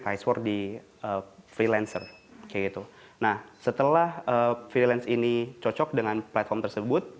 viceford di freelancer kayak gitu nah setelah freelance ini cocok dengan platform tersebut